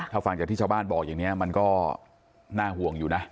ถ้าฟังจากที่ชาวบ้านบอกอย่างนี้มันก็น่าห่วงอยู่นะ